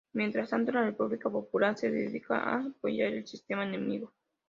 Mientras tanto la República popular se dedica a apoyar al sistema enemigo.